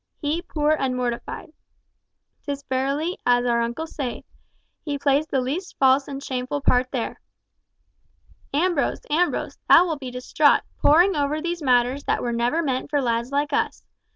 He poor and mortified! 'Tis verily as our uncle saith, he plays the least false and shameful part there!" "Ambrose, Ambrose, thou wilt be distraught, poring over these matters that were never meant for lads like us!